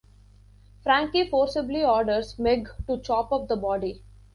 Frankie forcibly orders Meg to chop up the body.